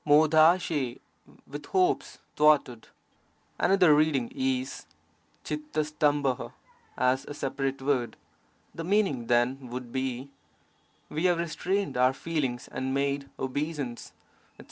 hN^I — with hopes thwarted. Another reading is f=M*d* *T: as a separate word. The meaning then would be: 'We have restrained our feelings and made obeisance/ etc.